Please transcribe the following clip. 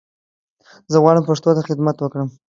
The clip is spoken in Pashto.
زه غواړم پښتو ته خدمت وکړم